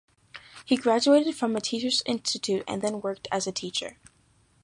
He graduated from a teacher's institute and then worked as a teacher.